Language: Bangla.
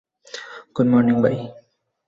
গুড মর্নিং, ভাই।